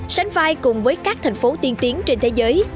sánh vai cùng với các thành phố tiên tiến trên thế giới